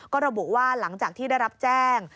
ก็ระบุว่าหลังจากที่ได้รับแจ้ง